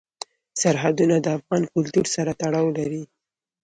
سرحدونه د افغان کلتور سره تړاو لري.